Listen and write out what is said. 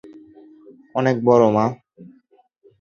অনেক বড়, মা।